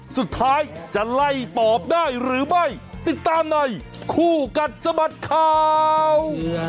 สุดท้ายจะไล่ปอบได้หรือไม่ติดตามในคู่กัดสะบัดข่าว